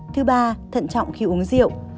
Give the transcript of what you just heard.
thứ ba thận trọng khi uống rượu